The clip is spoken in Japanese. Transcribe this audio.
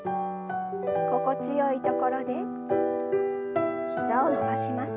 心地よいところで膝を伸ばします。